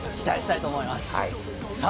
期待したいと思います。